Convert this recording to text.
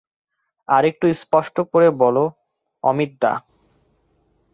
আর-একটু স্পষ্ট করে বলো অমিতদা।